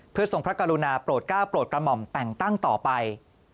เพื่อทรงพระกรุณาโปรดก้าวโปรดกระหม่อมแต่งตั้งต่อไป